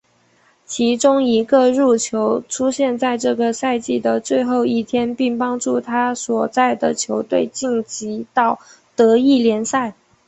其中一个入球出现在这个赛季的最后一天并帮助他所在的球队晋级到德乙联赛。